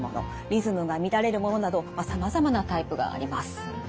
リズムが乱れるものなどさまざまなタイプがあります。